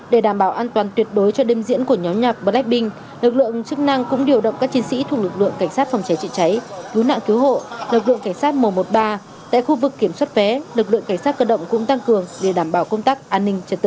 để đảm bảo an toàn tuyệt đối cho đêm diễn của nhóm nhạc blackpink lực lượng chức năng cũng điều động các chiến sĩ thuộc lực lượng cảnh sát phòng cháy chữa cháy cứu nạn cứu hộ lực lượng cảnh sát mùa một mươi ba tại khu vực kiểm soát vé lực lượng cảnh sát cơ động cũng tăng cường để đảm bảo công tác an ninh trật tự